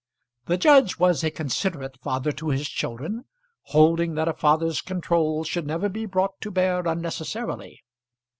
The judge was a considerate father to his children, holding that a father's control should never be brought to bear unnecessarily.